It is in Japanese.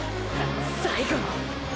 最後の――